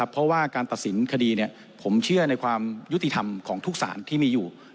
เพราะว่าการตัดสินคดีผมเชื่อในความยุติธรรมของทุกศาลที่มีอยู่